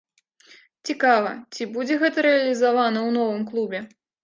Цікава, ці будзе гэта рэалізавана ў новым клубе?